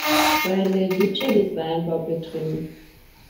Bei Levice wird Weinbau betrieben.